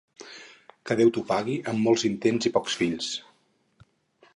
Que Déu t'ho pagui amb molts intents i pocs fills.